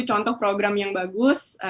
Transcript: contoh program yang bagus